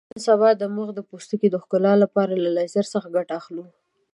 نن سبا د مخ د پوستکي د ښکلا لپاره له لیزر څخه ګټه اخلو.